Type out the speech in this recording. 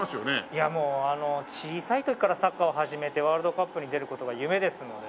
いやもう小さい時からサッカーを始めてワールドカップに出る事が夢ですので。